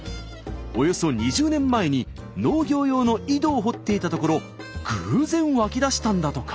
およそ２０年前に農業用の井戸を掘っていたところ偶然湧き出したんだとか。